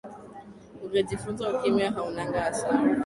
Ungejifunza ukimya, haunanga hasara